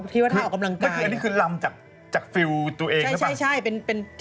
คิดว่าท่าออกกำลังกายอันนี้คือรำจากฟิลตัวเองหรือเปล่า